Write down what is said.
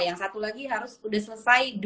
yang satu lagi harus sudah selesai